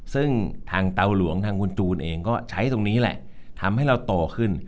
ซึ่งทางเตาหลวงทางคุณจูนเองก็ใช้ตรงนี้แหละทำให้เราโตขึ้น